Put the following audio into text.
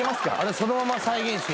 そのまま再現して。